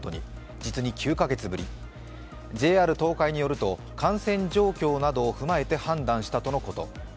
実に９カ月ぶり、ＪＲ東海によると感染状況などを踏まえて判断したとのこと。